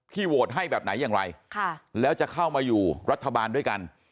โหวตให้แบบไหนอย่างไรแล้วจะเข้ามาอยู่รัฐบาลด้วยกัน